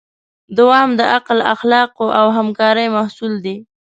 دوام د عقل، اخلاقو او همکارۍ محصول دی.